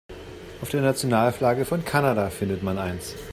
Auf der Nationalflagge von Kanada findet man eins.